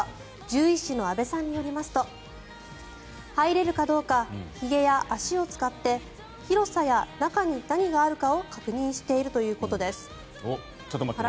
獣医師の阿部さんによりますと入れるかどうかひげや足を使って広さや、中に何があるかを確認しているということです。